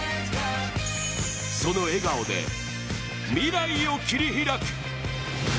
その笑顔で、未来を切り開く。